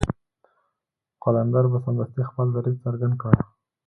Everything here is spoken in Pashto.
قلندر به سمدستي خپل دريځ څرګند کړ.